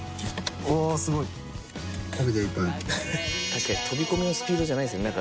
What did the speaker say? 確かに飛び込みのスピードじゃないですよね